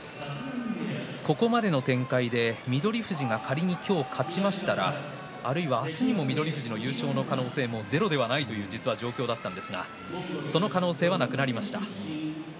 ここまでの展開で翠富士が仮に今日勝ちましたらあるいは明日にも翠富士の優勝の可能性もゼロではないという状況だったんですがその可能性はなくなりました。